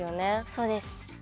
そうです。